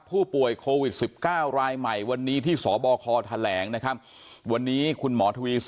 ผู้ป่วยโควิด๑๙รายใหม่